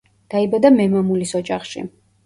დაიბადა მემამულის ოჯახში.